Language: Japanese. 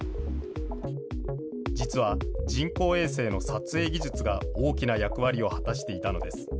実は人工衛星の撮影技術が大きな役割を果たしていたのです。